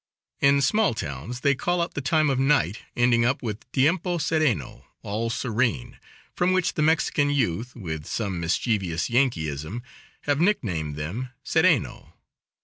In small towns they call out the time of night, ending up with tiempo sereno (all serene), from which the Mexican youth, with some mischievous Yankeeism, have nicknamed them Sereno.